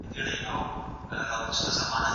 ګلالۍ د ماښام د ډوډۍ لپاره تازه سابه چمتو کړل.